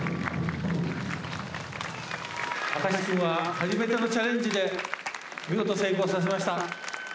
「明石君は初めてのチャレンジで見事成功させました」。